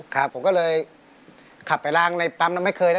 ครับผมก็เลยขับไปล้างในปั๊มแล้วไม่เคยนะ